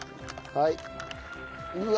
はい。